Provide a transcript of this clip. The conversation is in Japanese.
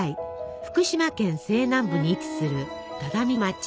福島県西南部に位置する只見町。